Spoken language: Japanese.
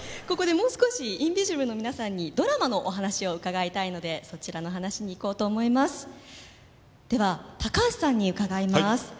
ここでもう少し「インビジブル」の皆さんにドラマのお話を伺いたいのでそちらの話にいこうと思いますでは高橋さんに伺います